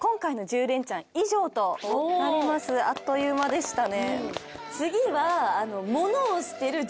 あっという間でしたね。